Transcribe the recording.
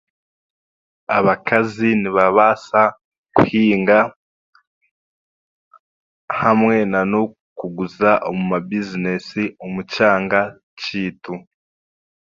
Abakazi nibabaasa kuhinga hamwe nan'okuguza omu mabizineesi omu kyanga kyaitu